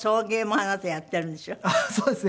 そうですね。